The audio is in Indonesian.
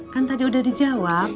kan tadi udah dijawab